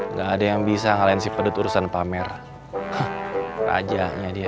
nggak ada yang bisa ngalahin si pedet urusan pamer rajanya dia